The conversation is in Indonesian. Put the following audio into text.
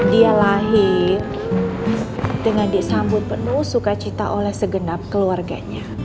dia lahir dengan disambut penuh sukacita oleh segenap keluarganya